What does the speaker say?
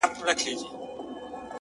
د سترگو کسي چي دي سره په دې لوگيو نه سي،